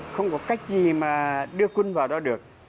không có cách gì mà đưa quân vào đó được